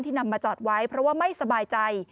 นำมาจอดไว้เพราะว่าไม่สบายใจ